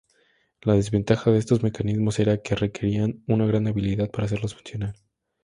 La desventaja de estos mecanismos era que requerían una gran habilidad para hacerlos funcionar.